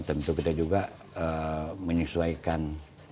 tentu kita juga menyesuaikan